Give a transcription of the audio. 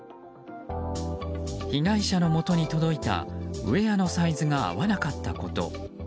被害者のもとに届いたウェアのサイズが合わなかったこと。